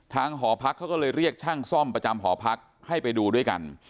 หอพักเขาก็เลยเรียกช่างซ่อมประจำหอพักให้ไปดูด้วยกัน